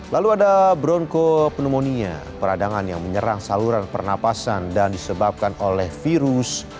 lalu ada broncopneumonia peradangan yang menyerang saluran pernapasan dan disebabkan oleh virus